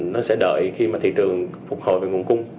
nó sẽ đợi khi mà thị trường phục hồi về nguồn cung